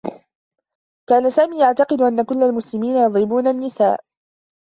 كان سامي يعتقد أنّ كلّ المسلمين يضربون النّساء.